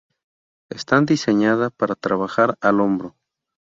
Están diseñada para trabajar "al hombro".